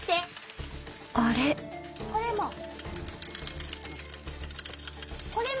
これも。